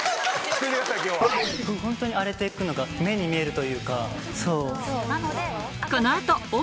ホントに荒れて行くのが目に見えるというか。